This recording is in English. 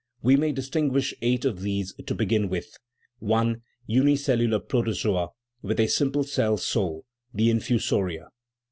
We may distinguish eight of these to begin with : I. Unicellular protozoa with a simple cell soul : the infusoria.